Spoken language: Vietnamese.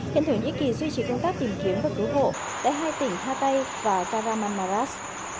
hiện thổ nhĩ kỳ duy trì công tác tìm kiếm và cứu hộ tại hai tỉnh hatay và taramang maras